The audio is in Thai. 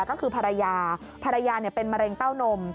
ก็คือภรรยาภรรยาเป็นมะเร็งเต้านม